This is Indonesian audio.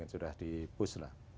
sudah di pus lah